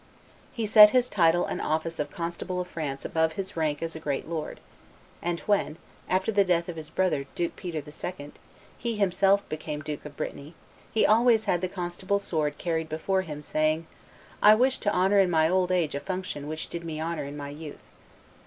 He set his title and office of constable of France above his rank as a great lord; and when, after the death of his brother, Duke Peter II., he himself became Duke of Brittany, he always had the constable's sword carried before him, saying, "I wish to honor in my old age a function which did me honor in my youth."